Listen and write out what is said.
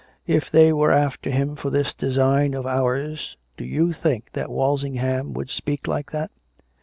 If they were after him for this design of ours do you think that Walsingham would speak like that?